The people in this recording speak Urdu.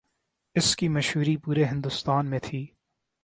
اس کی مشہوری پورے ہندوستان میں تھی۔